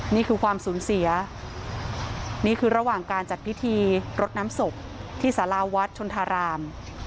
นี่คือความสูญเสียนี่คือระหว่างการจัดพิธีรดน้ำศพที่สาราวัดชนธาราม